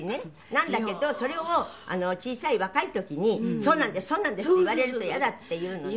なんだけどそれを小さい若い時にそうなんですそうなんですって言われると嫌だっていうのね。